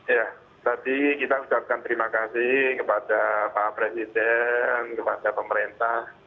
ya tadi kita ucapkan terima kasih kepada pak presiden kepada pemerintah